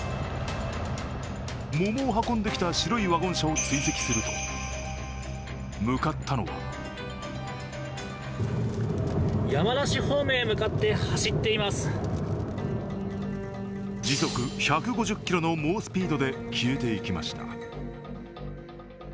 桃を運んできた白いワゴン車を追跡すると、向かったのは時速１５０キロの猛スピードで消えていきました。